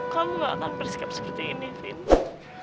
kamu gak akan bersikap seperti itu